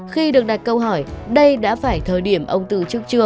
khi được đặt câu hỏi đây đã phải thời điểm ông từ trước chưa